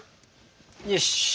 よし。